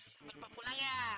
sampai pulang ya